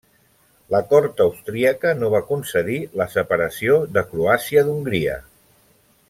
La cort austríaca no va concedir la separació de Croàcia d'Hongria.